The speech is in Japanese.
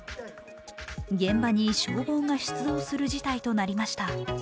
現場に消防が出動する事態になりました。